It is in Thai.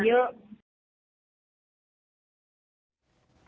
เป็นหนุ่มผิด